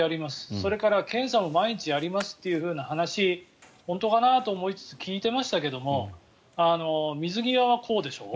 それから検査も毎日やりますっていう話本当かな？と思いつつ聞いていましたけど水際はこうでしょう。